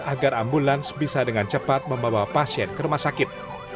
agar ambulans bisa dengan cepat membawa pasien ke rumah sakit